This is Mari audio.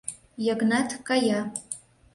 Йыгнат кая.